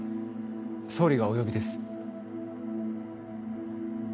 総理がお呼びです。